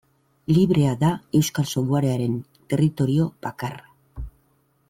Librea da euskal softwarearen territorio bakarra.